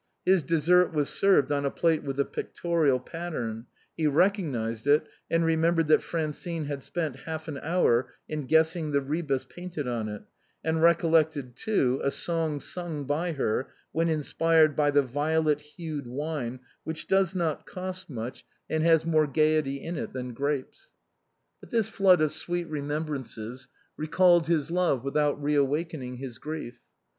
His dessert was served on a plate with a pictorial pattern; he recognized it and remembered that Francine had spent half an hour in guessing the rebus painted on it, and recollected, too, a song sung by her when inspired by the violet hued wine which does not cost much and has more gaiety in it than grapes. But this flood of sweet remembrances recalled his love without reawakening his grief.